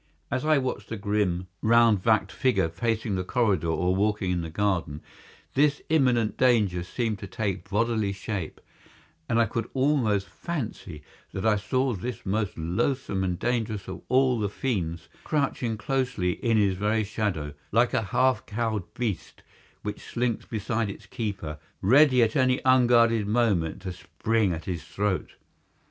As I watched the grim, round backed figure pacing the corridor or walking in the garden, this imminent danger seemed to take bodily shape, and I could almost fancy that I saw this most loathsome and dangerous of all the fiends crouching closely in his very shadow, like a half cowed beast which slinks beside its keeper, ready at any unguarded moment to spring at his throat.